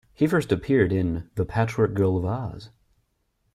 He first appeared in "The Patchwork Girl of Oz".